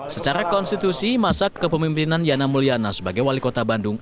secara konstitusi masa kepemimpinan yana mulyana sebagai wali kota bandung